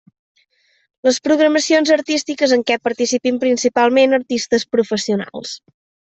Les programacions artístiques en què participin principalment artistes professionals.